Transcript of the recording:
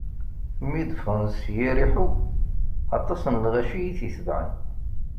Mi d-ffɣen si Yariḥu, aṭas n lɣaci i t-itebɛen.